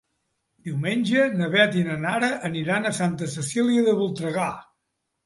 Diumenge na Beth i na Nara aniran a Santa Cecília de Voltregà.